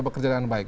bekerja dengan baik